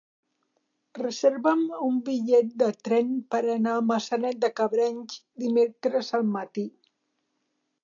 Reserva'm un bitllet de tren per anar a Maçanet de Cabrenys dimecres al matí.